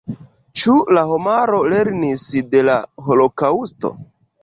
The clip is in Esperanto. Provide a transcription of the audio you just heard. Ĉu la homaro lernis de la holokaŭsto?